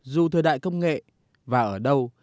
dù thời đại công nghệ và ở đâu